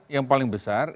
yang paling besar